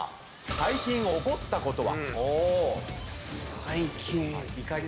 最近怒ったことは？